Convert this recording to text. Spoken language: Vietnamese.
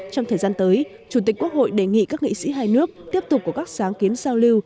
trong thời gian tới chủ tịch quốc hội đề nghị các nghị sĩ hai nước tiếp tục có các sáng kiến giao lưu